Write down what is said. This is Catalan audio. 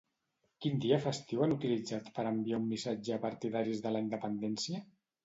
Quin dia festiu han utilitzat per enviar un missatge a partidaris de la independència?